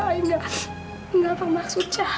ayah ngapain maksudnya